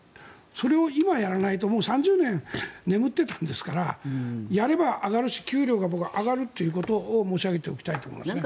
それを今やらないと３０年眠っていたんですからやれば上がるし給料が上がるということを申し上げておきたいと思いますね。